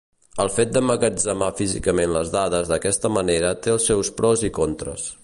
El fet d'emmagatzemar físicament les dades d'aquesta manera té els seus pros i contres.